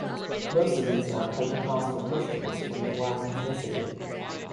Most of these are Pentecostal Christians from the Lak ethnicity.